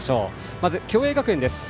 まず、共栄学園です。